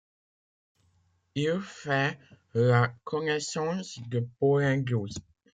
Il fait la connaissance de Paul Andrews.